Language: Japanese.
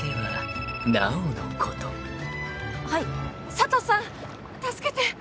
佐都さん助けて！